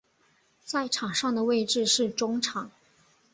在场上的位置是中场。